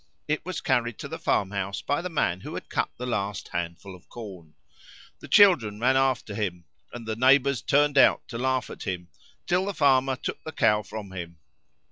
It was carried to the farmhouse by the man who had cut the last handful of corn. The children ran after him and the neighbours turned out to laugh at him, till the farmer took the Cow from him.